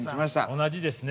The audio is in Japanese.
◆同じですね。